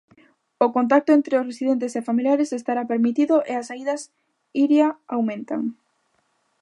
O contacto entre residentes e familiares estará permitido e as saídas, Iria, aumentan...